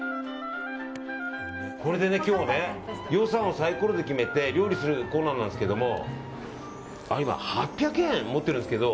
これでね、今日はね予算をサイコロで決めて料理するコーナーなんですけど今８００円持ってるんですけど。